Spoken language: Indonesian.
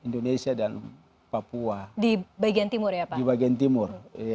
di bagian timur